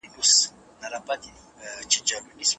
سمندر له دې ځایه ډیر ارام ښکاري.